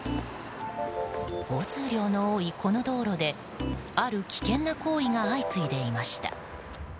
交通量の多いこの道路である危険な行為が相次いでいました。